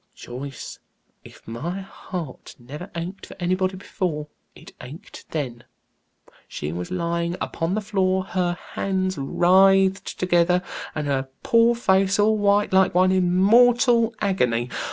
Joyce, if my heart never ached for anybody before, it ached then. She was lying upon the floor, her hands writhed together, and her poor face all white, like one in mortal agony.